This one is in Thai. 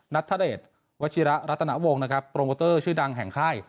นัทธเดชวัชิระรัตนวงนะครับโปรโมเตอร์ชื่อดังแห่งค่าย